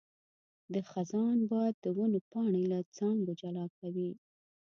د خزان باد د ونو پاڼې له څانګو جلا کوي.